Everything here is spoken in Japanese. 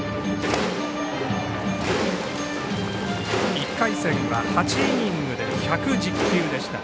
１回戦は８イニングで１１０球でした。